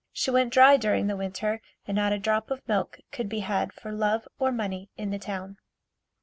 She went dry during the winter and not a drop of milk could be had for love or money in the town.